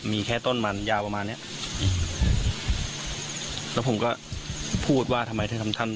มีแค่ต้นมันยาวประมาณเนี้ยแล้วผมก็พูดว่าทำไมเธอทำท่าน